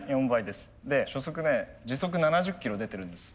で初速ね時速７０キロ出てるんです。